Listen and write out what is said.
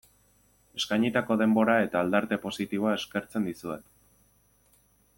Eskainitako denbora eta aldarte positiboa eskertzen dizuet.